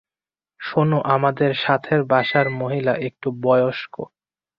শোনো, আমাদের সাথের বাসার মহিলা একটু বয়স্ক।